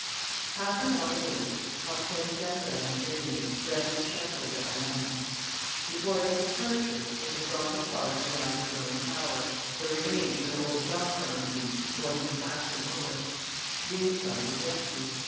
Half an hour later, Hortense Daniel and Rénine left the Château de Halingre. Before their departure, they had gone as far as the ivy grown tower, the remains of an old donjon keep more than half demolished. The inside was empty.